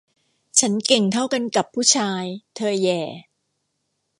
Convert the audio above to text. ฉันเก่งเท่ากันกับผู้ชาย เธอแหย่